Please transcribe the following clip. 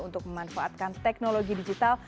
untuk memanfaatkan teknologi digital